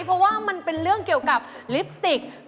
เพราะว่ามันเป็นเรื่องเกี่ยวกับลิปสติก